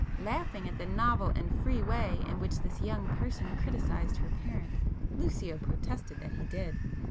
Laughing at the novel and free way in which this young person criticised her parent, Lucio protested that he did.